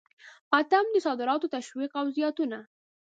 اتم: د صادراتو تشویق او زیاتونه.